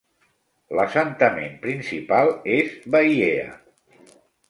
L'assentament principal és Vaiea.